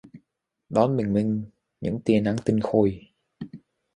Đón bình minh những tia nắng tinh khôi